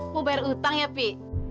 mau hutang ya pi